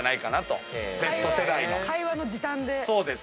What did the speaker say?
会話の時短で。